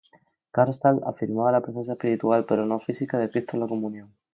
Karlstadt afirmaba la presencia espiritual, pero no física de Cristo en la comunión.